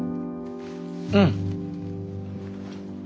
うん。